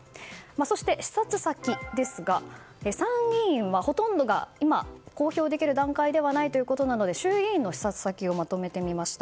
そして、視察先ですが参議院はほとんどが今、公表できる段階ではないということなので衆議院の視察先をまとめてみました。